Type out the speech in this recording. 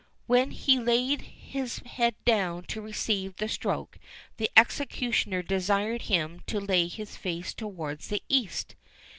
_" When he laid his head down to receive the stroke, the executioner desired him to lay his face towards the east.